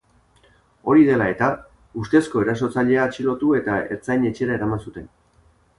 Hori dela eta, ustezko erasotzailea atxilotu eta ertzain-etxera eraman zuten.